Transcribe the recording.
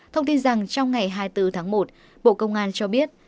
thông tin rằng trong ngày hai mươi bốn tháng một bộ công an cho biết